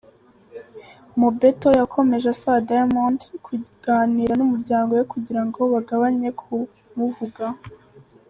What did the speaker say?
Mobetto yakomeje asaba Diamond kuganira n’umuryango we kugira ngo bagabanye kumuvugaho.